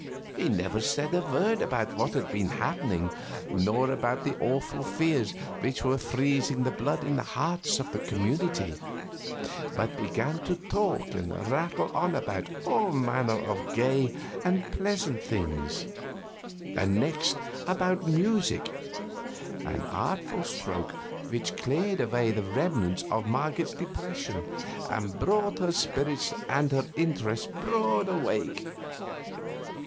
He never said a word about what had been happening, nor about the awful fears which were freezing the blood in the hearts of the community, but began to talk and rattle on about all manner of gay and pleasant things; and next about music an artful stroke which cleared away the remnant of Marget's depression and brought her spirits and her interests broad awake.